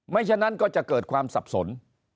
ฉะนั้นก็จะเกิดความสับสน